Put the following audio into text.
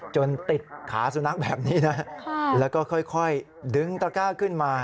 จนติดขาสุนัขแบบนี้นะแล้วก็ค่อยดึงตะก้าขึ้นมา